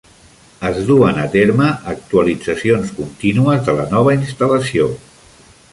Es duen a terme actualitzacions continues de la nova instal·lació.